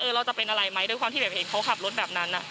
เราจะเป็นอะไรไหมด้วยความที่แบบเห็นเขาขับรถแบบนั้น